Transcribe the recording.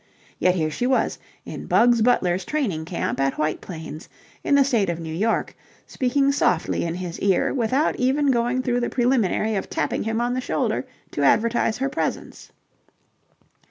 Yet here she was, in Bugs Butler's training camp at White Plains, in the State of New York, speaking softly in his ear without even going through the preliminary of tapping him on the shoulder to advertise her presence.